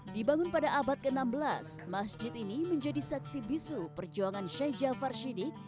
dibangun pada abad ke enam belas masjid ini menjadi saksi bisu perjuangan sheikh jafar syidik